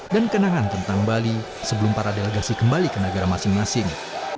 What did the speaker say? dan kenangan tentang bali sebelum para delegasi kembali ke negara masing masing